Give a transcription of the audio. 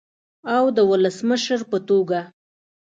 او د ولسمشر په توګه